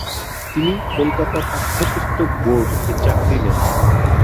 তিনি কলকাতা পাঠ্যপুস্তক বোর্ড এ চাকরি নেন।